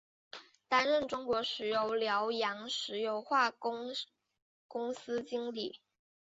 担任中国石油辽阳石油化工公司经理。